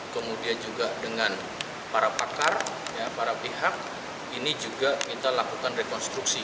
kemudian juga dengan para pakar para pihak ini juga kita lakukan rekonstruksi